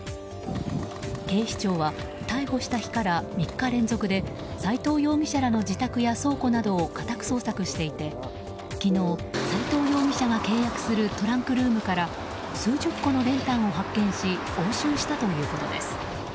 警視庁は逮捕した日から３日連続で斎藤容疑者らの自宅や倉庫などを家宅捜索していて昨日、斎藤容疑者が契約するトランクルームから数十個の練炭を発見し押収したということです。